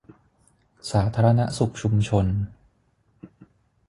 สาธารณสุขชุมชน